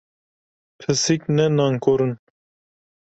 Pisîk, ne nankor in!